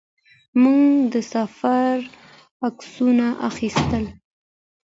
موږ د سفر عکسونه اخیستل.